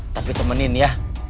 tapi temenin ya